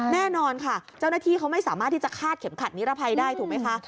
แน่นอนค่ะเจ้าหน้าที่เขาไม่สามารถที่จะคาดเข็มขัดนิรภัยได้ถูกไหมคะ